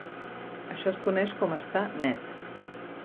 Això es coneix com estar "net".